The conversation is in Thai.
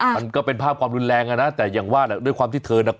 มันก็เป็นภาพความรุนแรงอ่ะนะแต่อย่างว่าแหละด้วยความที่เธอน่ะ